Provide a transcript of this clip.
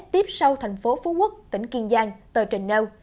tiếp sau thành phố phú quốc tỉnh kiên giang tờ trình nêu